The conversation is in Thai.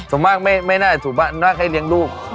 ส่วนมากไม่น่าสู่บ้านมากให้เลี้ยงลูก